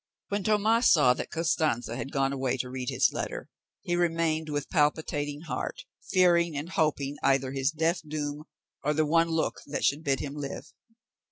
When Tomas saw that Costanza had gone away to read his letter, he remained with a palpitating heart, fearing and hoping either his death doom, or the one look that should bid him live.